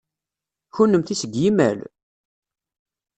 Kennemti seg yimal?